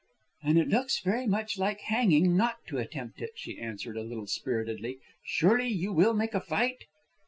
"And it looks very much like hanging not to attempt it," she answered a little spiritedly. "Surely you will make a fight?"